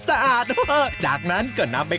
สะอาดจากนั้นก็นำไป